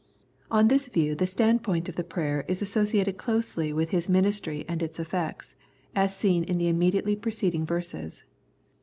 On this view the standpoint of the prayer is associated closely with his ministry and its effects, as seen in the immediately preceding verses.